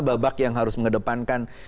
babak yang harus mengedepankan